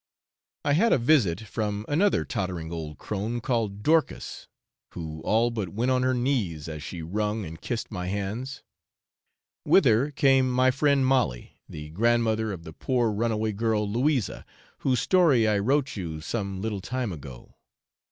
I had a visit from another tottering old crone called Dorcas, who all but went on her knees as she wrung and kissed my hands; with her came my friend Molly, the grandmother of the poor runaway girl, Louisa, whose story I wrote you some little time ago.